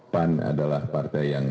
pan adalah partai yang